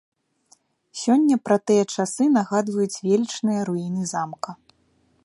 Сёння пра тыя часы нагадваюць велічныя руіны замка.